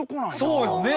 そうよね。